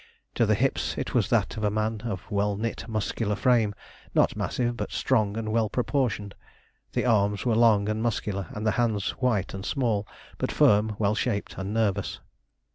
To the hips it was that of a man of well knit, muscular frame, not massive, but strong and well proportioned. The arms were long and muscular, and the hands white and small, but firm, well shaped, and nervous.